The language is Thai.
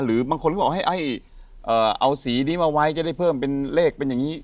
บางคนก็บอกให้เอาสีนี้มาไว้จะได้เพิ่มเป็นเลขเป็นอย่างนี้